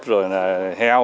rồi là heo